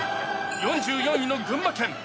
４４位の群馬県。